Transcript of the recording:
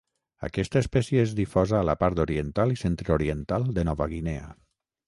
Aquesta espècie és difosa a la part oriental i centre-oriental de Nova Guinea.